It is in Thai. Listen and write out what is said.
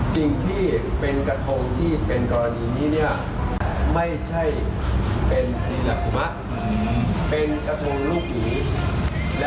สิ่งที่เป็นกระทงที่เป็นกรณีนี้เนี่ยไม่ใช่เป็นอีนาคุมะเป็นกระทงลูกหยี